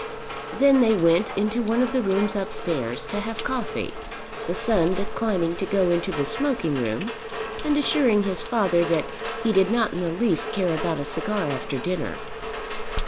Then they went into one of the rooms upstairs to have coffee, the son declining to go into the smoking room, and assuring his father that he did not in the least care about a cigar after dinner.